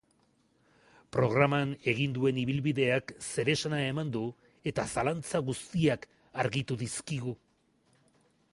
Programan egin duen ibilbideak zeresana eman du eta zalantza guztiak argitu dizkigu.